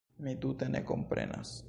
Mi tute ne komprenas.